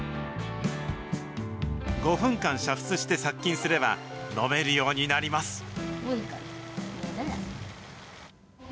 ５分間煮沸して殺菌すれば、飲めるようになります。